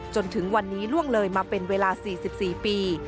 จนถึงวันนี้ล่วงเลยมาเป็นเวลา๔๔ปี